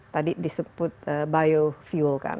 tadi disebut bio fuel kan